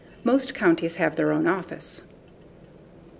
Most counties have their own office.